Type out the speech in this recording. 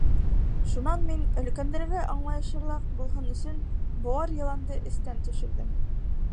Шунан мин, өлкәндәргә аңлайышлыраҡ булһын өсөн, быуар йыланды эстән төшөрҙөм.